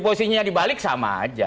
posisinya dibalik sama aja